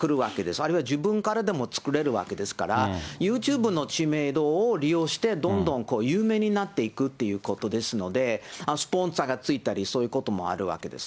あるいは自分からでも作れるわけですから、ユーチューブの知名度を利用して、どんどん有名になっていくということですので、スポンサーがついたり、そういうこともあるわけです。